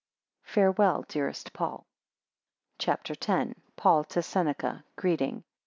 Farewell, dearest Paul. CHAPTER X. PAUL to SENECA Greeting.